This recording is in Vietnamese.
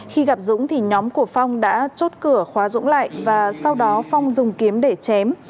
khi gặp dũng thì nhóm của phong đã chốt cửa khóa dũng lại và sau đó phong dùng kiếm để chém